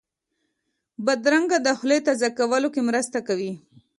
بادرنګ د خولې تازه کولو کې مرسته کوي.